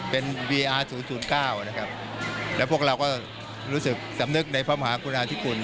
เพราะเราก็รู้สึกสำนึกในภาพมหาคุณาธิกล